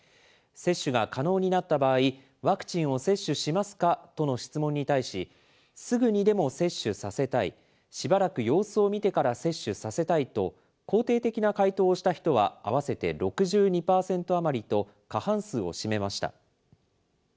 接種が可能になった場合、ワクチンを接種しますかとの質問に対し、すぐにでも接種させたい、しばらく様子を見てから接種させたいと、肯定的な回答をした人は合わせて６２％余りと、過半数を占めました。